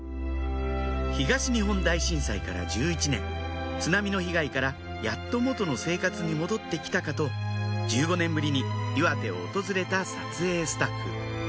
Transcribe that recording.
東日本大震災から１１年津波の被害からやっと元の生活に戻って来たかと１５年ぶりに岩手を訪れた撮影スタッフ